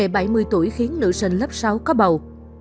ba bảo vệ bảy mươi tuổi khiến nữ sinh lớp sáu có bầu